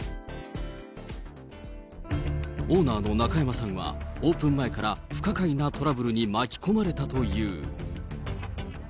オーナーの中山さんは、オープン前から不可解なトラブルに巻き込まれたという。